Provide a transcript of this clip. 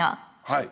はい。